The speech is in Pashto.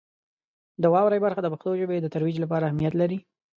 د واورئ برخه د پښتو ژبې د ترویج لپاره اهمیت لري.